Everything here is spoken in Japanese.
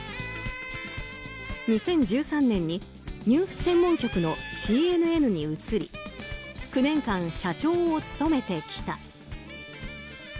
２０１３年にニュース専門局のＣＮＮに移り９年間、社長を務めてきた。